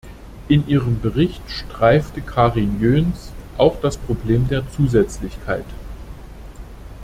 In ihrem Bericht streifte Karin Jöns auch das Problem der Zusätzlichkeit.